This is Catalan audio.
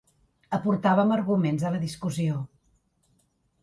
Aportàvem arguments a la discussió.